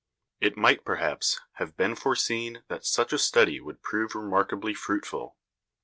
It might, perhaps, have been foreseen that such a study would prove remarkably fruitful.